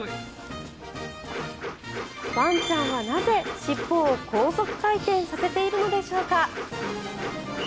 ワンちゃんはなぜ尻尾を高速回転させているのでしょうか。